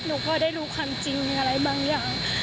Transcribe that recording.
ก็ได้รู้ความจริงอะไรบางอย่าง